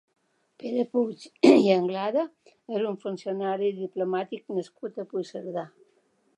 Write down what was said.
Pere Puig i Anglada és un funcionari i diplomàtic nascut a Puigcerdà.